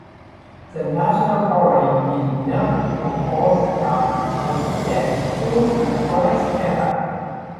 The National Party did not propose a candidate to replace Peters.